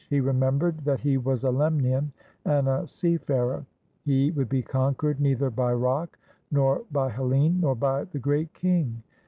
He remembered that he was a Lemnian and a seafarer. He would be conquered neither by rock nor by Hellene nor by the Great King.